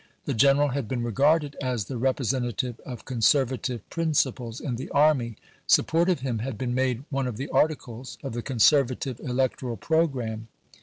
The general had been regarded as the representa tive of Conservative principles in the army. Sup port of him had been made one of the articles of the Conservative electoral programme.